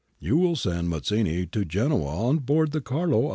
You will send Mazzini to Genoa on board the Carlo Alberto.